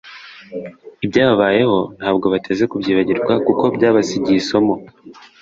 Ibyababayeho ntabwo bateze kubyibagirwa kuko byabasigiye isomo